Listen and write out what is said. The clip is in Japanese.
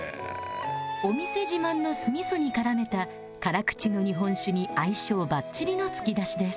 お店自慢の酢味噌に絡めた辛口の日本酒に相性バッチリのつきだしです